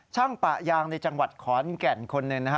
ช่างปะยางในจังหวัดขอนแก่นคนหนึ่ง